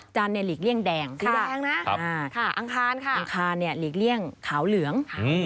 จันทร์หลีกเลี่ยงแดงอังคารหลีกเลี่ยงขาวเหลือง